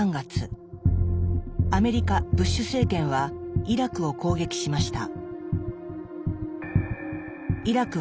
アメリカ・ブッシュ政権はイラクを攻撃しました。